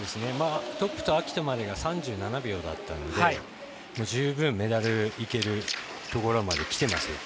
トップと暁斗までが３１秒だったので十分メダルいけるところまできています。